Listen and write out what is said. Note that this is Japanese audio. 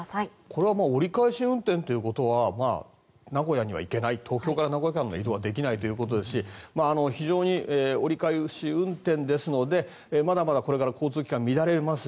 これは折り返し運転ということは名古屋には行けない東京から名古屋間の移動はできないということですし非常に折り返し運転ですのでまだまだこれから交通機関は乱れます。